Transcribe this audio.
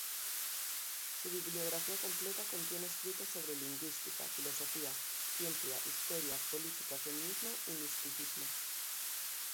Su bibliografía completa contiene escritos sobre lingüística, filosofía, ciencia, historia, política, feminismo y misticismo.